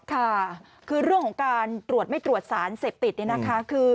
ค่ะคือเรื่องของการตรวจไม่ตรวจสารเสพติดเนี่ยนะคะ